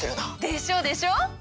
でしょでしょ？